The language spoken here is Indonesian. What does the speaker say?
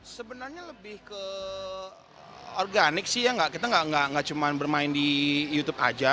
sebenarnya lebih ke organik sih ya kita nggak cuma bermain di youtube aja